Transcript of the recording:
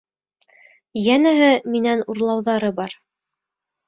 Йәнәһе, минән урлауҙары бар.